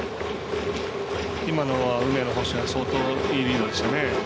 今のは梅野捕手相当いいリードでしたね。